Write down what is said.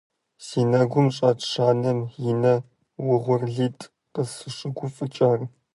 Си нэгум щӀэтщ анэм и нэ угъурлитӀ къысщыгуфӀыкӀыр.